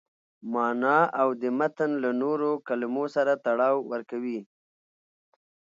مانا او د متن له نورو کلمو سره تړاو ورکوي.